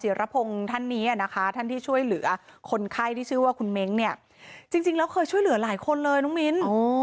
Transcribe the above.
รพงศ์ท่านนี้นะคะท่านที่ช่วยเหลือคนไข้ที่ชื่อว่าคุณเม้งเนี่ยจริงแล้วเคยช่วยเหลือหลายคนเลยน้องมิ้น